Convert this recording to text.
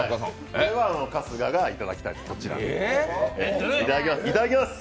これは春日がいただきたいと思います。